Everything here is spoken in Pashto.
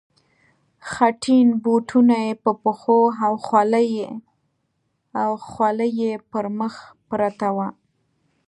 خټین بوټونه یې په پښو او خولۍ یې پر مخ پرته وه.